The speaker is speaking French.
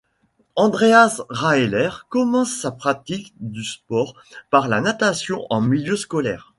Andreas Raelert commence la pratique du sport par la natation en milieu scolaire.